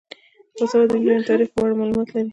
باسواده نجونې د تاریخ په اړه معلومات لري.